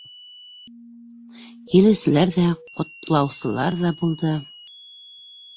Килеүселәр ҙә, ҡотлаусылар ҙа булды.